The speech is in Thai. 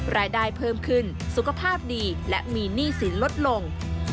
รายได้เพิ่มขึ้นสุขภาพดีและมีหนี้สินลดลง